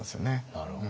なるほど。